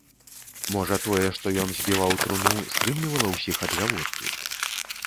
Можа тое, што ён збіваў труну, стрымлівала ўсіх ад гаворкі.